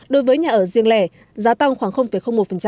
đối với nhà ở riêng lẻ giá tăng khoảng một